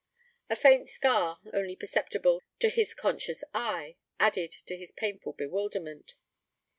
A faint scar, only perceptible to his conscious eye, added to his painful bewilderment.